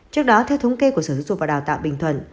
trước đó theo thống kê của sở dục và đào tạo bình thuận